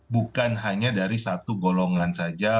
bukan hanya dari satu golongan saja